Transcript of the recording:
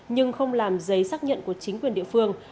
nhưng không làm giấy xác nhận của chính quyền địa phương